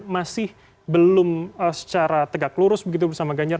masih belum secara tegak lurus begitu bersama ganjar